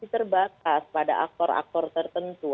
terbatas pada aktor aktor tertentu